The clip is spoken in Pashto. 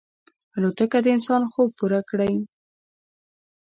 الوتکه د انسان خوب پوره کړی.